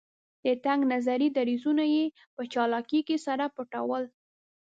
د تنګ نظري دریځونه یې په چالاکۍ سره پټول.